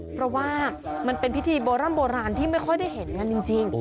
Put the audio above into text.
เพราะว่ามันเป็นพิธีโบร่ำโบราณที่ไม่ค่อยได้เห็นกันจริง